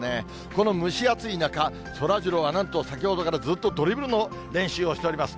この蒸し暑い中、そらジローはなんと先ほどからずっとドリブルの練習をしております。